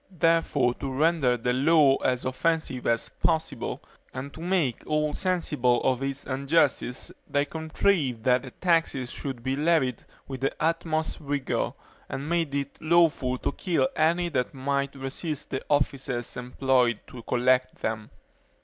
Therefore, to render the law as offensive as possible, and to make all sensible of its injustice, they contrived that the taxes should be levied with the utmost rigor, and made it lawful to kill any that might resist the officers employed to collect them.